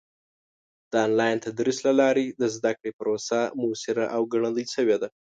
د آنلاین تدریس له لارې د زده کړې پروسه موثره او ګړندۍ شوې ده.